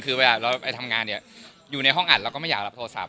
คือเวลาเราไปทำงานเนี่ยอยู่ในห้องอัดเราก็ไม่อยากรับโทรศัพ